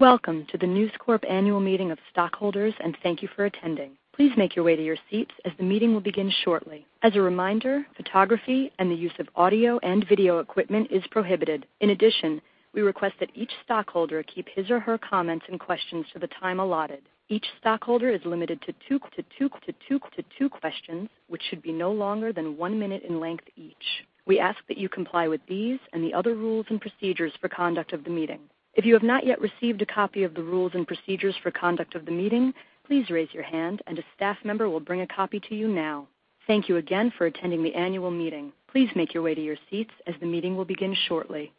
Welcome to the News Corp Annual Meeting of Stockholders. Thank you for attending. Please make your way to your seats as the meeting will begin shortly. As a reminder, photography and the use of audio and video equipment is prohibited. In addition, we request that each stockholder keep his or her comments and questions to the time allotted. Each stockholder is limited to two questions, which should be no longer than one minute in length each. We ask that you comply with these and the other rules and procedures for conduct of the meeting. If you have not yet received a copy of the rules and procedures for conduct of the meeting, please raise your hand and a staff member will bring a copy to you now. Thank you again for attending the annual meeting. Please make your way to your seats as the meeting will begin shortly.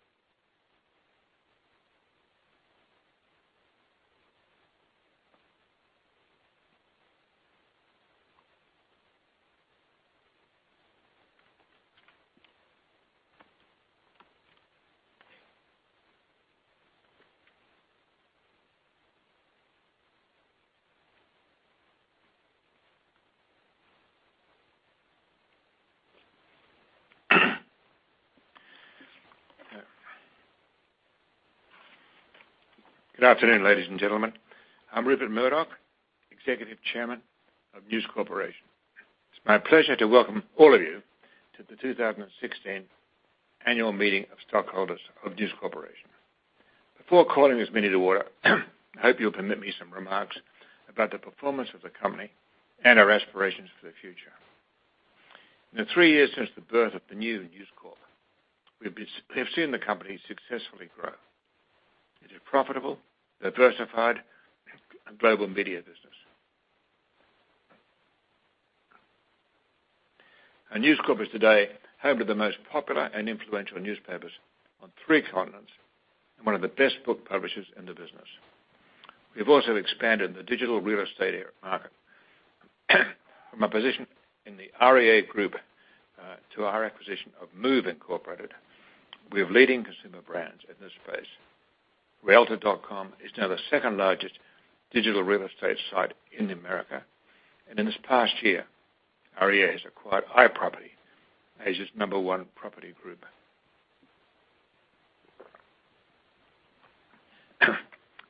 Good afternoon, ladies and gentlemen. I'm Rupert Murdoch, Executive Chairman of News Corporation. It's my pleasure to welcome all of you to the 2016 annual meeting of stockholders of News Corporation. Before calling this meeting to order, I hope you'll permit me some remarks about the performance of the company and our aspirations for the future. In the three years since the birth of the new News Corp, we have seen the company successfully grow. It is profitable, diversified, and global media business. News Corp is today home to the most popular and influential newspapers on three continents and one of the best book publishers in the business. We've also expanded the digital real estate market. From our position in the REA Group to our acquisition of Move, Inc., we have leading consumer brands in this space. realtor.com is now the second-largest digital real estate site in America. In this past year, REA has acquired iProperty, Asia's number one property group.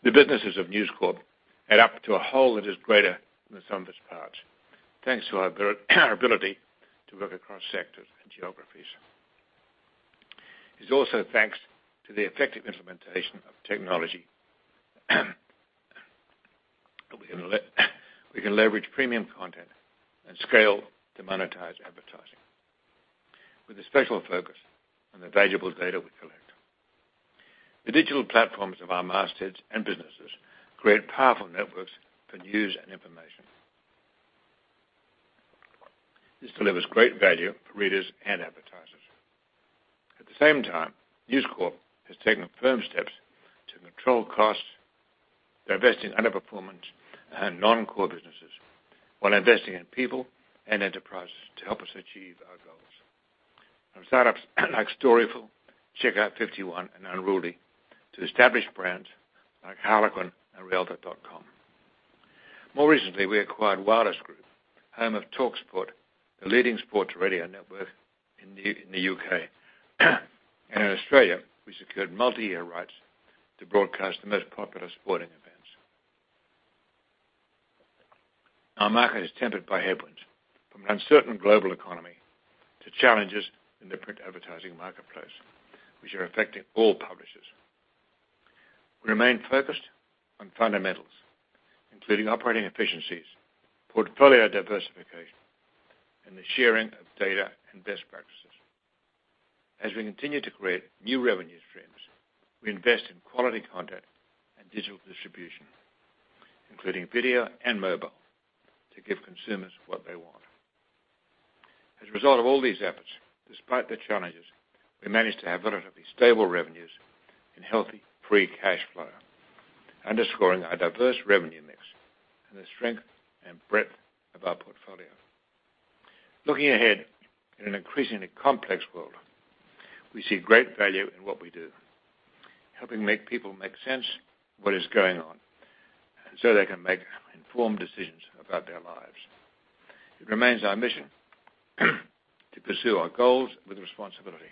The businesses of News Corp add up to a whole that is greater than the sum of its parts, thanks to our ability to work across sectors and geographies. It's also thanks to the effective implementation of technology that we can leverage premium content and scale to monetize advertising, with a special focus on the valuable data we collect. The digital platforms of our mastheads and businesses create powerful networks for news and information. This delivers great value for readers and advertisers. At the same time, News Corp has taken firm steps to control costs, divesting underperformance and non-core businesses while investing in people and enterprises to help us achieve our goals. From startups like Storyful, Checkout 51, and Unruly, to established brands like Harlequin and realtor.com. More recently, we acquired Wireless Group, home of talkSPORT, the leading sports radio network in the U.K. In Australia, we secured multi-year rights to broadcast the most popular sporting events. Our market is tempered by headwinds, from uncertain global economy to challenges in the print advertising marketplace, which are affecting all publishers. We remain focused on fundamentals, including operating efficiencies, portfolio diversification, and the sharing of data and best practices. As we continue to create new revenue streams, we invest in quality content and digital distribution, including video and mobile, to give consumers what they want. As a result of all these efforts, despite the challenges, we managed to have relatively stable revenues and healthy free cash flow, underscoring our diverse revenue mix and the strength and breadth of our portfolio. Looking ahead in an increasingly complex world, we see great value in what we do, helping make people make sense what is going on so they can make informed decisions about their lives. It remains our mission to pursue our goals with responsibility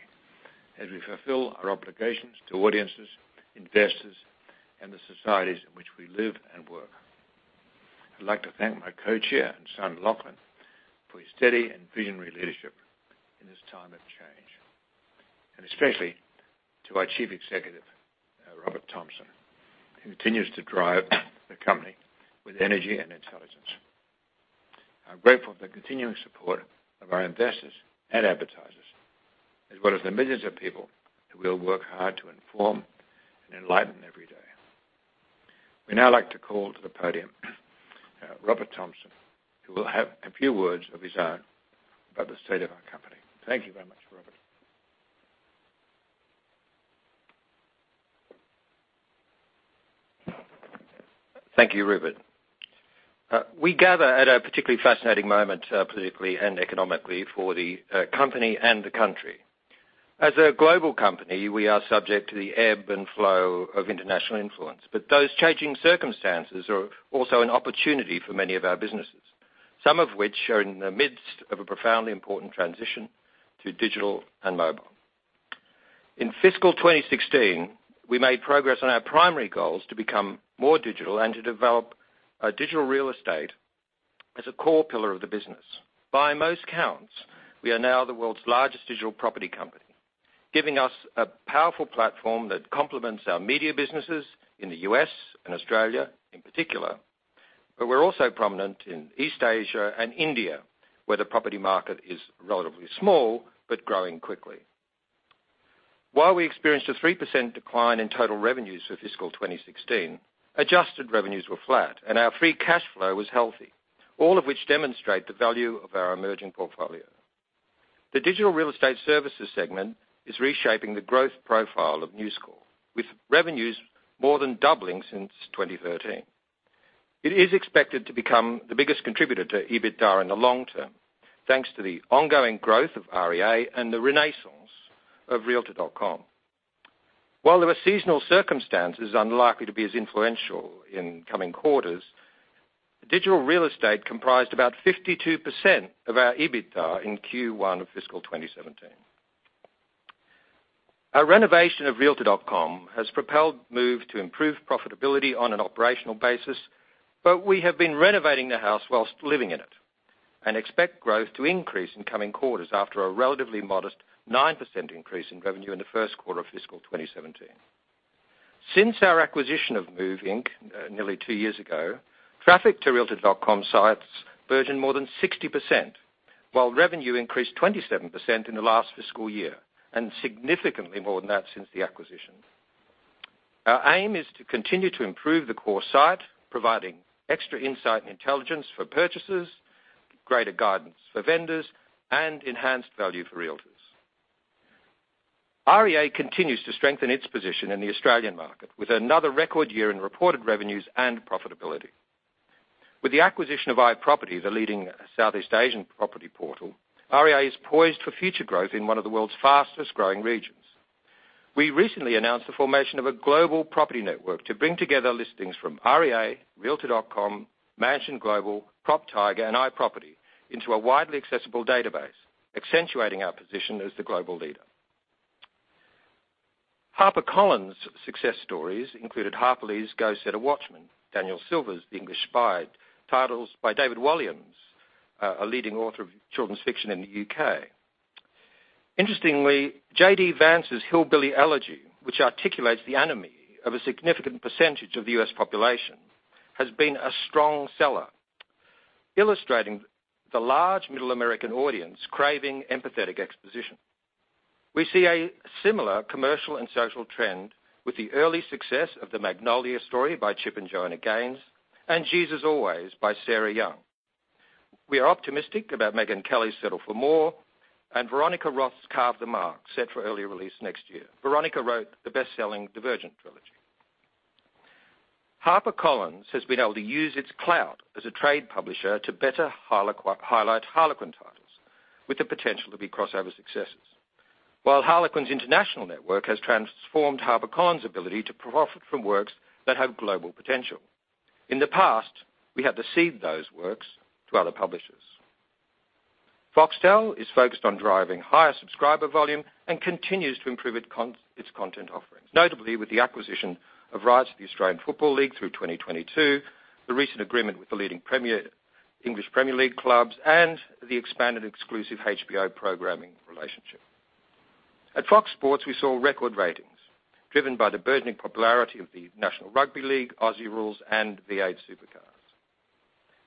as we fulfill our obligations to audiences, investors, and the societies in which we live and work. I'd like to thank my Co-Chairman and son, Lachlan, for his steady and visionary leadership in this time of change. Especially to our Chief Executive, Robert Thomson, who continues to drive the company with energy and intelligence. I'm grateful for the continuing support of our investors and advertisers, as well as the millions of people who we'll work hard to inform and enlighten every day. We now like to call to the podium Robert Thomson, who will have a few words of his own about the state of our company. Thank you very much, Robert. Thank you, Rupert. We gather at a particularly fascinating moment politically and economically for the company and the country. As a global company, we are subject to the ebb and flow of international influence, those changing circumstances are also an opportunity for many of our businesses. Some of which are in the midst of a profoundly important transition to digital and mobile. In fiscal 2016, we made progress on our primary goals to become more digital and to develop a digital real estate as a core pillar of the business. By most counts, we are now the world's largest digital property company, giving us a powerful platform that complements our media businesses in the U.S. and Australia in particular, we're also prominent in East Asia and India, where the property market is relatively small, but growing quickly. While we experienced a 3% decline in total revenues for fiscal 2016, adjusted revenues were flat and our free cash flow was healthy. All of which demonstrate the value of our emerging portfolio. The digital real estate services segment is reshaping the growth profile of News Corp, with revenues more than doubling since 2013. It is expected to become the biggest contributor to EBITDA in the long term, thanks to the ongoing growth of REA and the renaissance of realtor.com. While there are seasonal circumstances unlikely to be as influential in coming quarters, digital real estate comprised about 52% of our EBITDA in Q1 of fiscal 2017. Our renovation of realtor.com has propelled Move to improve profitability on an operational basis, but we have been renovating the house whilst living in it and expect growth to increase in coming quarters after a relatively modest 9% increase in revenue in the first quarter of fiscal 2017. Since our acquisition of Move, Inc., nearly two years ago, traffic to realtor.com sites burgeoned more than 60%, while revenue increased 27% in the last fiscal year, and significantly more than that since the acquisition. Our aim is to continue to improve the core site, providing extra insight and intelligence for purchasers, greater guidance for vendors, and enhanced value for realtors. REA continues to strengthen its position in the Australian market with another record year in reported revenues and profitability. With the acquisition of iProperty, the leading Southeast Asian property portal, REA is poised for future growth in one of the world's fastest-growing regions. We recently announced the formation of a global property network to bring together listings from REA, realtor.com, Mansion Global, PropTiger, and iProperty into a widely accessible database, accentuating our position as the global leader. HarperCollins' success stories included Harper Lee's "Go Set a Watchman," Daniel Silva's "The English Spy," titles by David Walliams, a leading author of children's fiction in the U.K. Interestingly, J.D. Vance's "Hillbilly Elegy," which articulates the ennui of a significant percentage of the U.S. population, has been a strong seller, illustrating the large middle American audience craving empathetic exposition. We see a similar commercial and social trend with the early success of "The Magnolia Story" by Chip and Joanna Gaines, and "Jesus Always" by Sarah Young. We are optimistic about Megyn Kelly's "Settle for More" and Veronica Roth's "Carve the Mark," set for early release next year. Veronica wrote the best-selling "Divergent" trilogy. HarperCollins has been able to use its clout as a trade publisher to better highlight Harlequin titles with the potential to be crossover successes. Harlequin's international network has transformed HarperCollins' ability to profit from works that have global potential. In the past, we had to cede those works to other publishers. Foxtel is focused on driving higher subscriber volume and continues to improve its content offerings, notably with the acquisition of rights to the Australian Football League through 2022, the recent agreement with the leading English Premier League clubs, and the expanded exclusive HBO programming relationship. At Fox Sports, we saw record ratings driven by the burgeoning popularity of the National Rugby League, Aussie Rules, and V8 Supercars.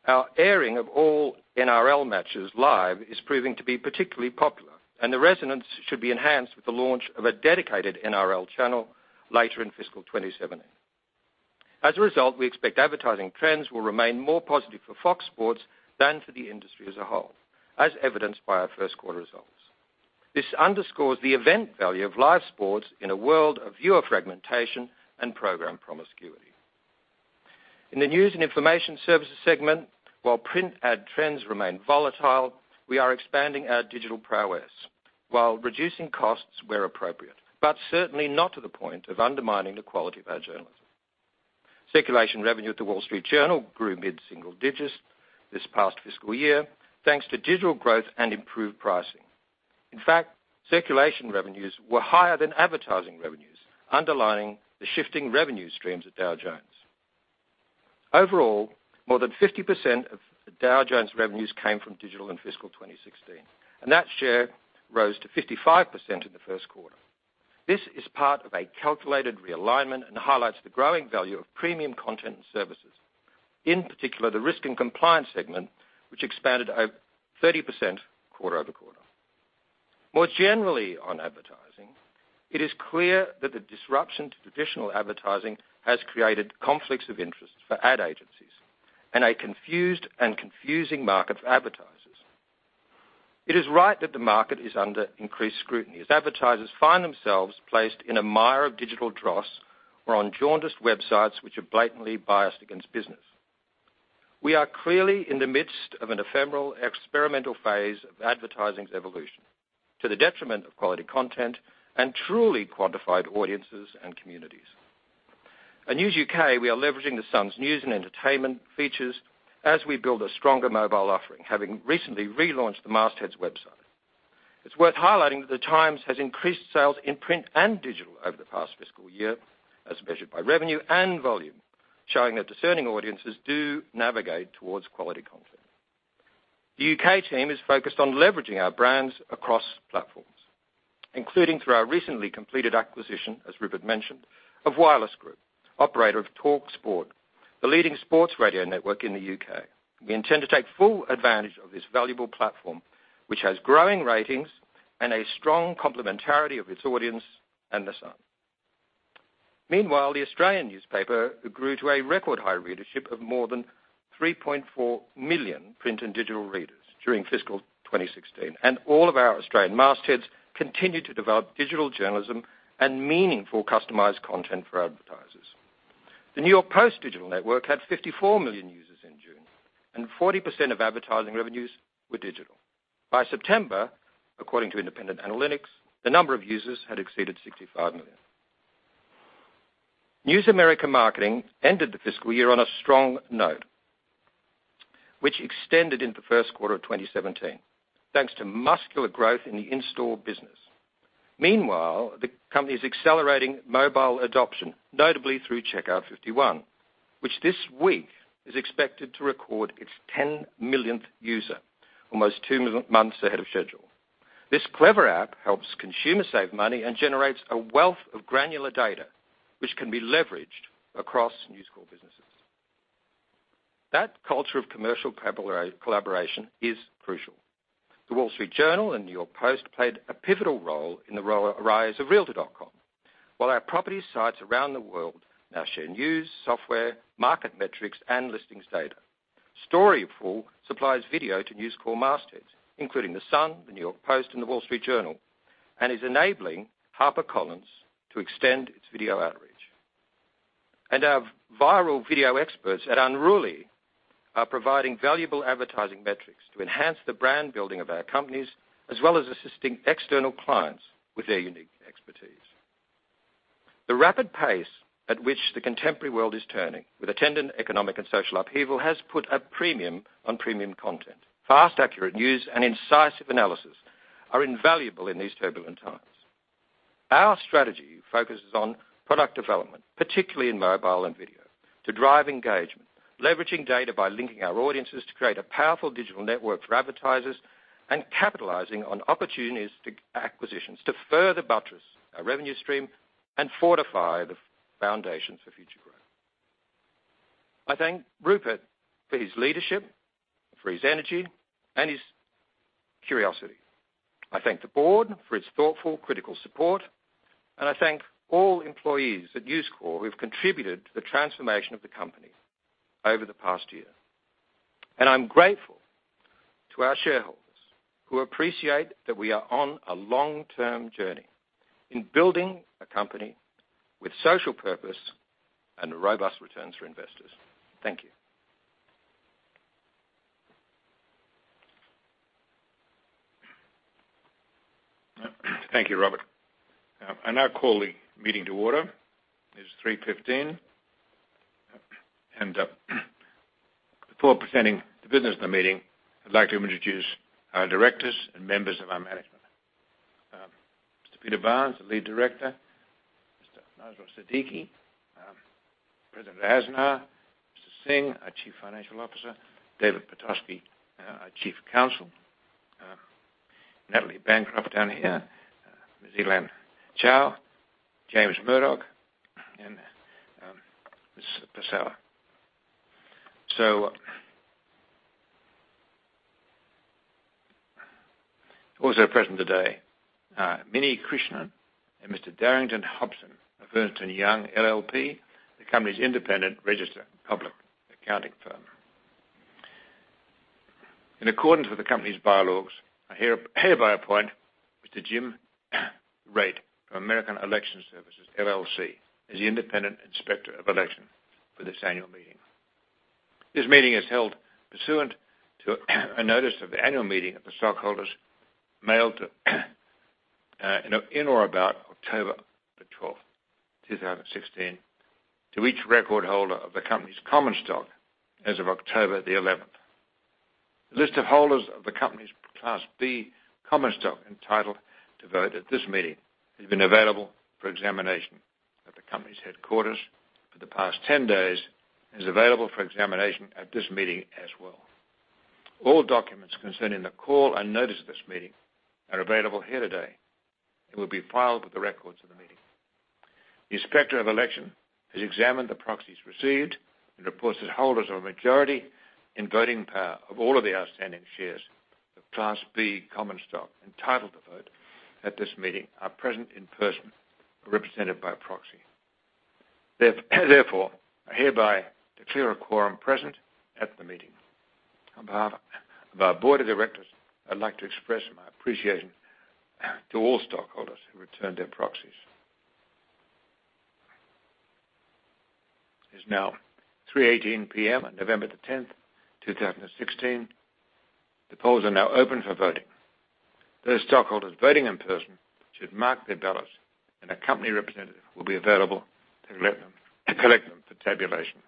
Our airing of all NRL matches live is proving to be particularly popular, and the resonance should be enhanced with the launch of a dedicated NRL channel later in fiscal 2017. As a result, we expect advertising trends will remain more positive for Fox Sports than for the industry as a whole, as evidenced by our first quarter results. This underscores the event value of live sports in a world of viewer fragmentation and program promiscuity. In the news and information services segment, while print ad trends remain volatile, we are expanding our digital prowess while reducing costs where appropriate, but certainly not to the point of undermining the quality of our journalism. Circulation revenue at The Wall Street Journal grew mid-single digits this past fiscal year, thanks to digital growth and improved pricing. In fact, circulation revenues were higher than advertising revenues, underlying the shifting revenue streams at Dow Jones. Overall, more than 50% of Dow Jones revenues came from digital in fiscal 2016, and that share rose to 55% in the first quarter. This is part of a calculated realignment and highlights the growing value of premium content and services, in particular the Risk & Compliance segment, which expanded over 30% quarter-over-quarter. More generally on advertising, it is clear that the disruption to traditional advertising has created conflicts of interest for ad agencies and a confused and confusing market for advertisers. It is right that the market is under increased scrutiny as advertisers find themselves placed in a mire of digital dross or on jaundiced websites which are blatantly biased against business. We are clearly in the midst of an ephemeral experimental phase of advertising's evolution to the detriment of quality content and truly quantified audiences and communities. At News UK, we are leveraging The Sun's news and entertainment features as we build a stronger mobile offering, having recently relaunched the masthead's website. It's worth highlighting that The Times has increased sales in print and digital over the past fiscal year, as measured by revenue and volume, showing that discerning audiences do navigate towards quality content. The U.K. team is focused on leveraging our brands across platforms, including through our recently completed acquisition, as Rupert mentioned, of Wireless Group, operator of talkSPORT, the leading sports radio network in the U.K. We intend to take full advantage of this valuable platform, which has growing ratings and a strong complementarity of its audience and The Sun. Meanwhile, The Australian newspaper grew to a record high readership of more than 3.4 million print and digital readers during fiscal 2016, and all of our Australian mastheads continue to develop digital journalism and meaningful customized content for advertisers. The New York Post digital network had 54 million users in June, and 40% of advertising revenues were digital. By September, according to independent analytics, the number of users had exceeded 65 million. News America Marketing ended the fiscal year on a strong note, which extended into the first quarter of 2017, thanks to muscular growth in the in-store business. Meanwhile, the company is accelerating mobile adoption, notably through Checkout 51, which this week is expected to record its 10 millionth user almost two months ahead of schedule. This clever app helps consumers save money and generates a wealth of granular data, which can be leveraged across News Corp businesses. That culture of commercial collaboration is crucial. The Wall Street Journal and New York Post played a pivotal role in the rise of realtor.com. While our property sites around the world now share news, software, market metrics, and listings data. Storyful supplies video to News Corp mastheads, including The Sun, the New York Post, and The Wall Street Journal, and is enabling HarperCollins to extend its video outreach. Our viral video experts at Unruly are providing valuable advertising metrics to enhance the brand-building of our companies, as well as assisting external clients with their unique expertise. The rapid pace at which the contemporary world is turning with attendant economic and social upheaval has put a premium on premium content. Fast, accurate news and incisive analysis are invaluable in these turbulent times. Our strategy focuses on product development, particularly in mobile and video, to drive engagement, leveraging data by linking our audiences to create a powerful digital network for advertisers, capitalizing on opportunities through acquisitions to further buttress our revenue stream and fortify the foundations for future growth. I thank Rupert for his leadership, for his energy, and his curiosity. I thank the board for its thoughtful, critical support, and I thank all employees at News Corp who've contributed to the transformation of the company over the past year. I'm grateful to our shareholders who appreciate that we are on a long-term journey in building a company with social purpose and robust returns for investors. Thank you. Thank you, Robert. I now call the meeting to order. It is 3:15 P.M. Before presenting the business of the meeting, I'd like to introduce our directors and members of our management. Mr. Peter Barnes, the Lead Director. Mr. Masroor Siddiqui, President Aznar, Mr. Singh, our Chief Financial Officer. David Pitofsky, our Chief Counsel. Natalie Bancroft down here. Ms. Elaine Chao, James Murdoch, and Ms. Pessoa. Also present today, Minnie Krishnan and Mr. Darrington Hobson of Ernst & Young LLP, the company's independent registered public accounting firm. In accordance with the company's bylaws, I hereby appoint Mr. Jim Raitt from American Election Services, LLC, as the independent inspector of election for this annual meeting. This meeting is held pursuant to a notice of the annual meeting of the stockholders mailed in or about October the 12th, 2016 to each record holder of the company's common stock as of October the 11th. The list of holders of the company's Class B common stock entitled to vote at this meeting has been available for examination at the company's headquarters for the past 10 days, and is available for examination at this meeting as well. All documents concerning the call and notice of this meeting are available here today and will be filed with the records of the meeting. The inspector of election has examined the proxies received and reports that holders of a majority in voting power of all of the outstanding shares of Class B common stock entitled to vote at this meeting are present in person or represented by a proxy. I hereby declare a quorum present at the meeting. On behalf of our board of directors, I'd like to express my appreciation to all stockholders who returned their proxies. It is now 3:18 P.M. on November the 10th, 2016. The polls are now open for voting. Those stockholders voting in person should mark their ballots, and a company representative will be available to collect them for tabulation.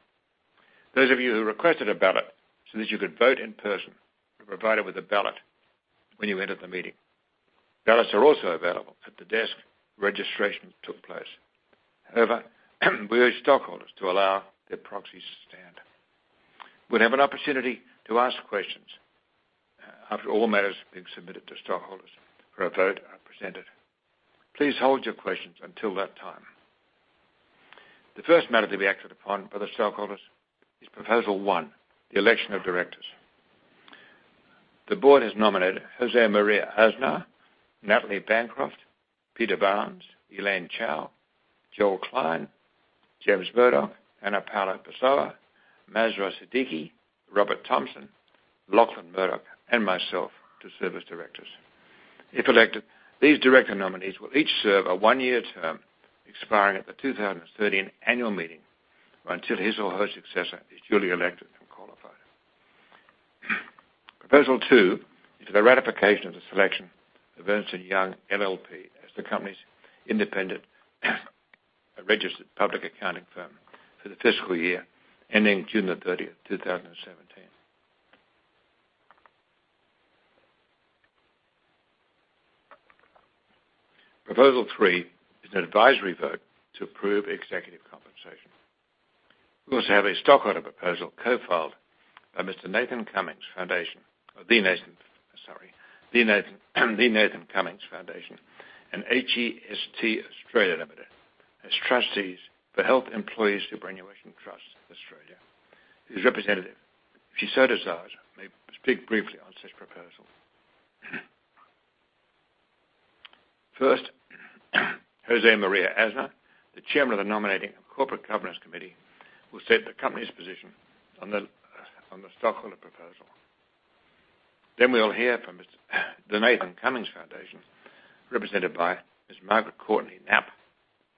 Those of you who requested a ballot so that you could vote in person were provided with a ballot when you entered the meeting. Ballots are also available at the desk registration took place. We urge stockholders to allow their proxies to stand. We'll have an opportunity to ask questions after all matters being submitted to stockholders for a vote are presented. Please hold your questions until that time. The first matter to be acted upon by the stockholders is proposal one, the election of directors. The board has nominated José María Aznar, Natalie Bancroft, Peter Barnes, Elaine Chao, Joel Klein, James Murdoch, Ana Paula Pessoa, Masroor Siddiqui, Robert Thomson, Lachlan Murdoch, and myself to serve as directors. If elected, these director nominees will each serve a one-year term expiring at the 2017 annual meeting, or until his or her successor is duly elected and qualified. Proposal two is the ratification of the selection of Ernst & Young LLP as the company's independent registered public accounting firm for the fiscal year ending June 30, 2017. Proposal three is an advisory vote to approve executive compensation. We also have a stockholder proposal co-filed by Nathan Cummings Foundation, the Nathan Cummings Foundation and H.E.S.T. Australia Limited, as trustees for Health Employees Superannuation Trust Australia. His representative, if she so desires, may speak briefly on said proposal. First, José María Aznar, the Chairman of the Nominating Corporate Governance Committee, will state the company's position on the stockholder proposal. We'll hear from the Nathan Cummings Foundation, represented by Ms. Margaret Courtney Knapp,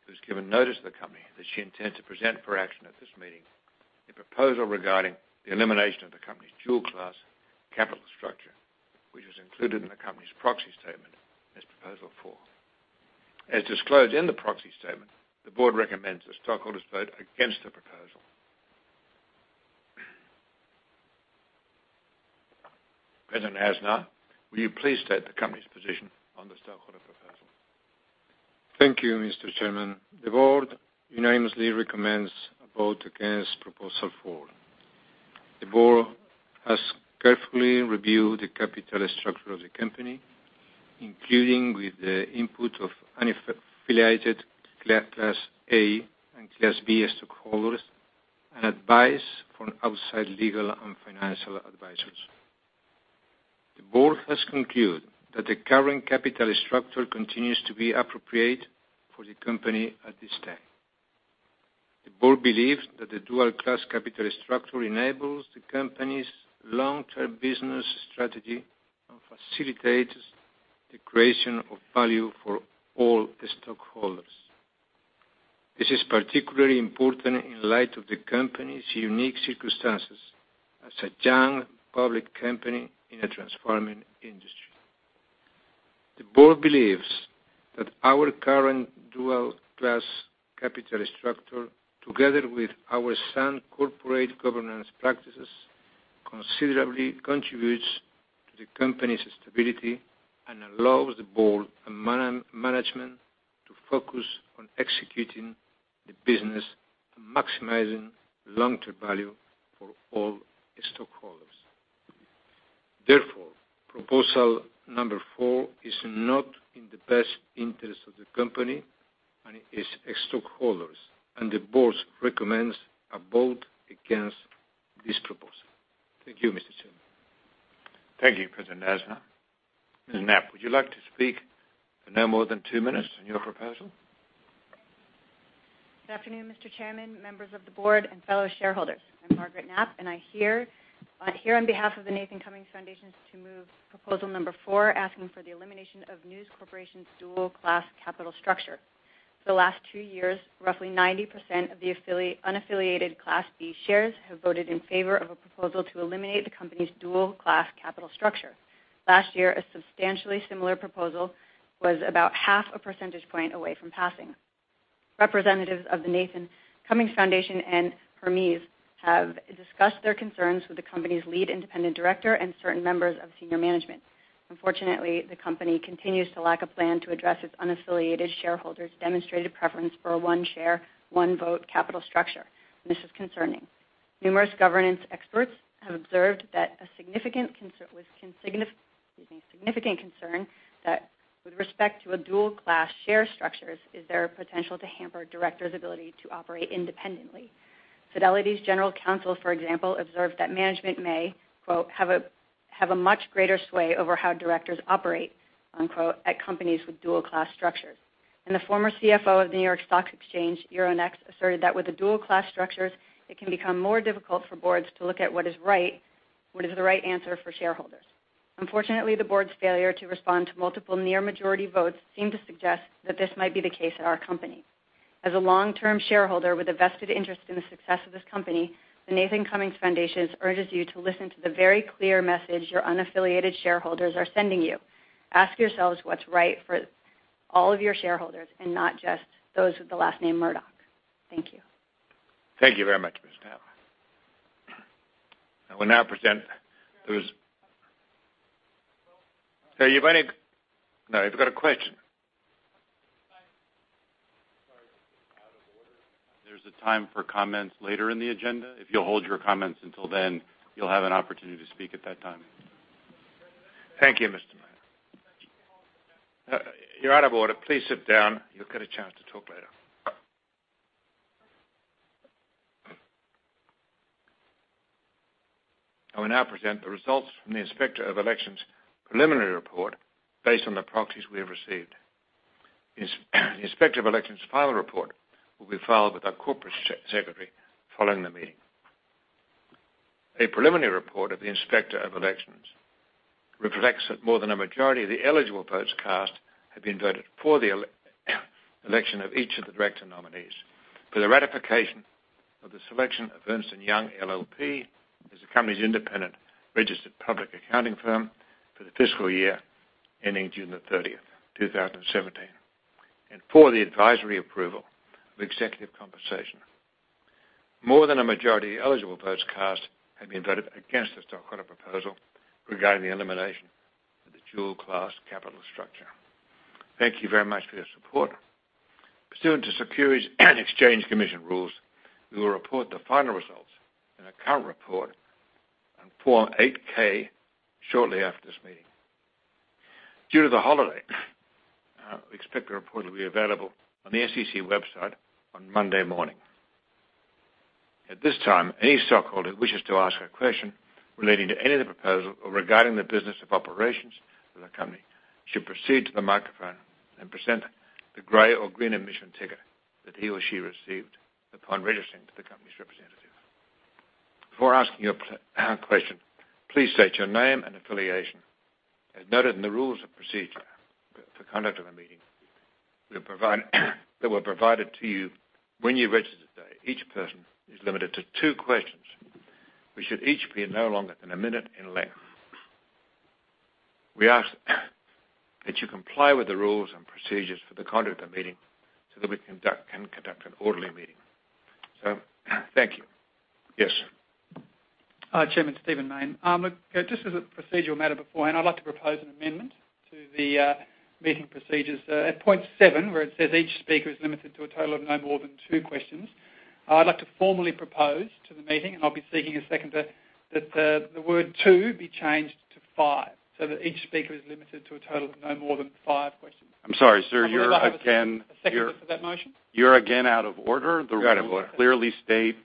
who's given notice to the company that she intends to present for action at this meeting a proposal regarding the elimination of the company's dual-class capital structure, which is included in the company's proxy statement as Proposal Four. As disclosed in the proxy statement, the board recommends the stockholders vote against the proposal. President Aznar, will you please state the company's position on the stockholder proposal? Thank you, Mr. Chairman. The board unanimously recommends a vote against Proposal Four. The board has carefully reviewed the capital structure of the company, including with the input of unaffiliated Class A and Class B stockholders and advice from outside legal and financial advisors. The board has concluded that the current capital structure continues to be appropriate for the company at this time. The board believes that the dual-class capital structure enables the company's long-term business strategy and facilitates the creation of value for all the stockholders. This is particularly important in light of the company's unique circumstances as a young public company in a transforming industry. The board believes that our current dual-class capital structure, together with our sound corporate governance practices, considerably contributes to the company's stability and allows the board and management to focus on executing the business and maximizing long-term value for all stockholders. Proposal Four is not in the best interest of the company and its stockholders. The board recommends a vote against this proposal. Thank you, Mr. Chairman. Thank you, President Aznar. Ms. Knapp, would you like to speak for no more than two minutes on your proposal? Good afternoon, Mr. Chairman, members of the board, and fellow shareholders. I'm Margaret Knapp, I'm here on behalf of the Nathan Cummings Foundation to move proposal number four, asking for the elimination of News Corporation's dual class capital structure. For the last two years, roughly 90% of the unaffiliated Class B shares have voted in favor of a proposal to eliminate the company's dual class capital structure. Last year, a substantially similar proposal was about half a percentage point away from passing. Representatives of the Nathan Cummings Foundation and Hermes have discussed their concerns with the company's lead independent director and certain members of senior management. Unfortunately, the company continues to lack a plan to address its unaffiliated shareholders' demonstrated preference for a one share, one vote capital structure. This is concerning. Numerous governance experts have observed that a significant concern with respect to dual class share structures is their potential to hamper directors' ability to operate independently. Fidelity's general counsel, for example, observed that management may "have a much greater sway over how directors operate" at companies with dual class structures. The former CFO of the New York Stock Exchange, Euronext, asserted that with the dual class structures, it can become more difficult for boards to look at what is the right answer for shareholders. Unfortunately, the board's failure to respond to multiple near majority votes seem to suggest that this might be the case at our company. As a long-term shareholder with a vested interest in the success of this company, the Nathan Cummings Foundation urges you to listen to the very clear message your unaffiliated shareholders are sending you. Ask yourselves what's right for all of your shareholders, not just those with the last name Murdoch. Thank you. Thank you very much, Ms. Knapp. I will now present the Sir, you've got a question. Sorry. Just out of order. There is a time for comments later in the agenda. If you will hold your comments until then, you will have an opportunity to speak at that time. Thank you, Mr. Mayne. You are out of order. Please sit down. You will get a chance to talk later. I will now present the results from the Inspector of Election's preliminary report based on the proxies we have received. The Inspector of Election's final report will be filed with our corporate secretary following the meeting. A preliminary report of the Inspector of Elections reflects that more than a majority of the eligible votes cast have been voted for the election of each of the director nominees for the ratification of the selection of Ernst & Young LLP as the company's independent registered public accounting firm for the fiscal year ending June the 30th, 2017, and for the advisory approval of executive compensation. More than a majority of eligible votes cast have been voted against the stockholder proposal regarding the elimination of the dual-class capital structure. Thank you very much for your support. Pursuant to Securities and Exchange Commission rules, we will report the final results in a current report on Form 8-K shortly after this meeting. Due to the holiday, we expect the report will be available on the SEC website on Monday morning. At this time, any stockholder who wishes to ask a question relating to any of the proposal or regarding the business operations of the company, should proceed to the microphone and present the gray or green admission ticket that he or she received upon registering to the company's representative. Before asking your question, please state your name and affiliation. As noted in the rules of procedure for the conduct of the meeting that were provided to you when you registered today, each person is limited to two questions, which should each be no longer than one minute in length. We ask that you comply with the rules and procedures for the conduct of the meeting so that we can conduct an orderly meeting. Thank you. Yes. Hi, Chairman. Stephen Mayne. Look, just as a procedural matter beforehand, I'd like to propose an amendment to the meeting procedures. At point seven, where it says, "Each speaker is limited to a total of no more than two questions," I'd like to formally propose to the meeting, and I'll be seeking a seconder, that the word two be changed to five, that each speaker is limited to a total of no more than five questions. I'm sorry, sir. You're again- I believe I have a seconder for that motion. You're again out of order. You're out of order. The rules clearly state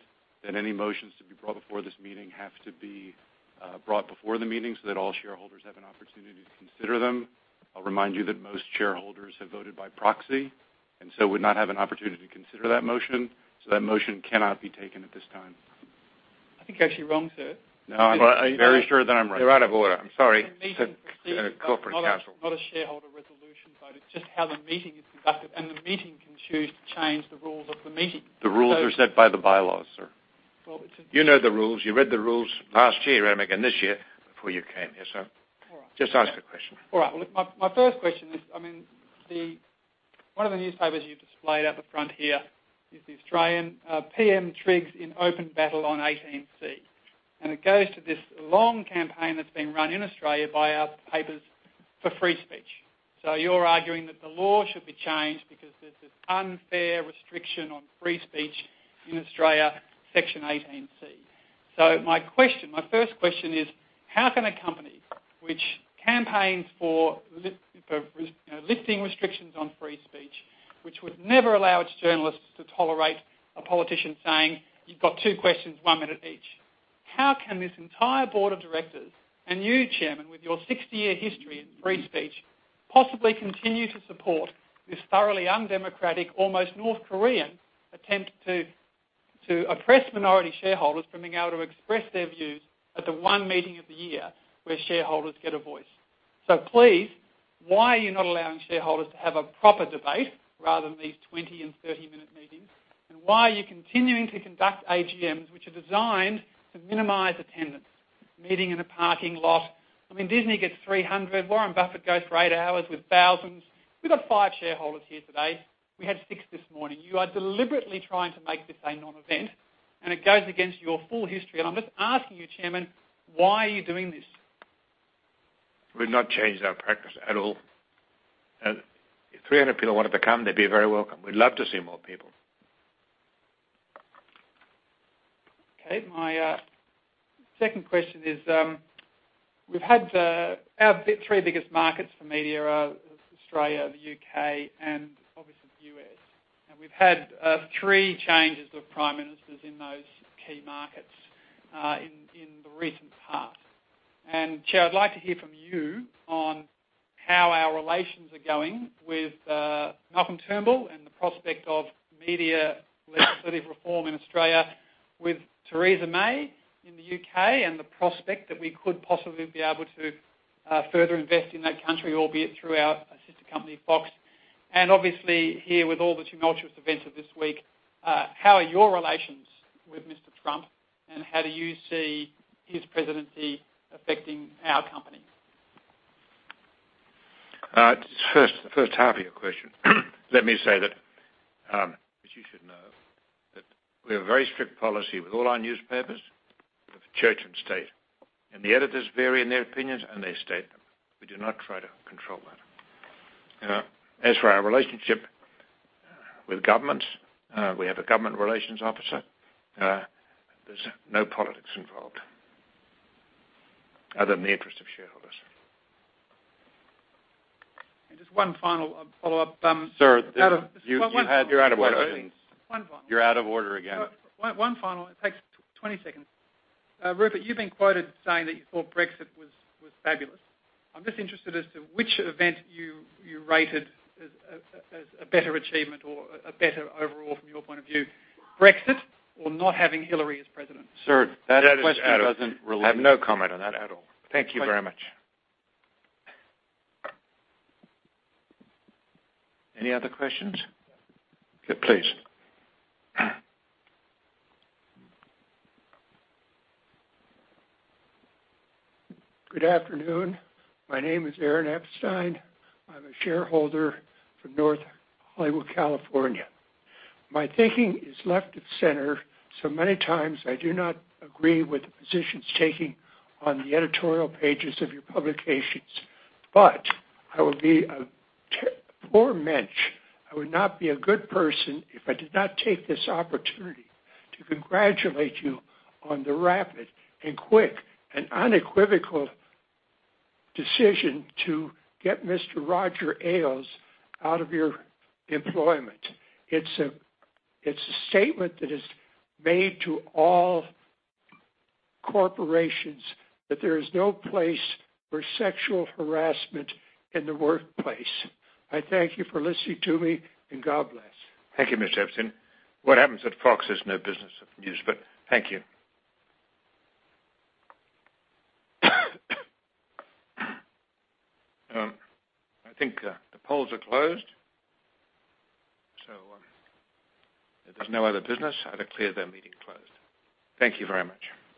that any motions to be brought before this meeting have to be brought before the meeting so that all shareholders have an opportunity to consider them. I'll remind you that most shareholders have voted by proxy and so would not have an opportunity to consider that motion. That motion cannot be taken at this time. I think you're actually wrong, sir. No, I'm very sure that I'm right. You're out of order. I'm sorry. Corporate Counsel. Not a shareholder resolution vote. It's just how the meeting is conducted. The meeting can choose to change the rules of the meeting. The rules are set by the bylaws, sir. Well. You know the rules. You read the rules last year. You read them again this year before you came here, sir. All right. Just ask the question. All right. Well, look, my first question is, one of the newspapers you've displayed at the front here is The Australian, "PM Trigs in Open Battle on 18C." It goes to this long campaign that's been run in Australia by our papers for free speech. You're arguing that the law should be changed because there's this unfair restriction on free speech in Australia, Section 18C. My first question is, how can a company which campaigns for lifting restrictions on free speech, which would never allow its journalists to tolerate a politician saying, "You've got two questions, one minute each," how can this entire board of directors and you, Chairman, with your 60-year history in free speech, possibly continue to support this thoroughly undemocratic, almost North Korean attempt to oppress minority shareholders from being able to express their views at the one meeting of the year where shareholders get a voice? Please, why are you not allowing shareholders to have a proper debate rather than these 20 and 30-minute meetings? Why are you continuing to conduct AGMs which are designed to minimize attendance? Meeting in a parking lot. I mean, Disney gets 300. Warren Buffett goes for eight hours with thousands. We've got five shareholders here today. We had six this morning. You are deliberately trying to make this a non-event, it goes against your full history. I'm just asking you, Chairman, why are you doing this? We've not changed our practice at all. If 300 people wanted to come, they'd be very welcome. We'd love to see more people. My second question is, our big three biggest markets for media are Australia, the U.K., and obviously, the U.S. We've had three changes of prime ministers in those key markets in the recent past. Chair, I'd like to hear from you on how our relations are going with Malcolm Turnbull and the prospect of media reform in Australia with Theresa May in the U.K., and the prospect that we could possibly be able to further invest in that country, albeit through our sister company, Fox. Obviously here with all the tumultuous events of this week, how are your relations with Mr. Trump, and how do you see his presidency affecting our company? Just first, the first half of your question. Let me say that, as you should know, that we have a very strict policy with all our newspapers of church and state. The editors vary in their opinions and they state them. We do not try to control that. As for our relationship with governments, we have a government relations officer. There's no politics involved other than the interest of shareholders. Just one final follow-up. Sir- One- You're out of order. One final. You're out of order again. One final. It takes 20 seconds. Rupert, you've been quoted saying that you thought Brexit was fabulous. I'm just interested as to which event you rated as a better achievement or a better overall from your point of view, Brexit or not having Hillary as president? Sir, that question doesn't relate. I have no comment on that at all. Thank you very much. Any other questions? Please. Good afternoon. My name is Aaron Epstein. I am a shareholder from North Hollywood, California. My thinking is left at center, many times I do not agree with the positions taking on the editorial pages of your publications. I would be a poor mensch, I would not be a good person if I did not take this opportunity to congratulate you on the rapid and quick and unequivocal decision to get Mr. Roger Ailes out of your employment. It is a statement that is made to all corporations that there is no place for sexual harassment in the workplace. I thank you for listening to me, and God bless. Thank you, Mr. Epstein. What happens at Fox is no business of News. Thank you. I think the polls are closed, if there is no other business, I declare the meeting closed. Thank you very much.